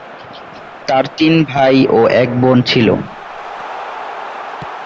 তার তিন ভাই ও এক বোন ছিল।